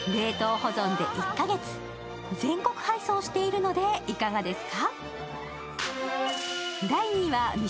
全国配送しているので、いかがですか？